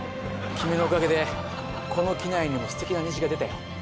君のおかげでこの機内にもステキな虹が出たよ。